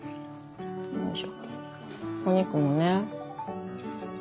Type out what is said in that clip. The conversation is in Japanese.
お肉もね。